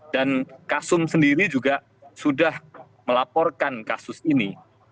dan kasum sendiri juga sudah melaporkan kasus ini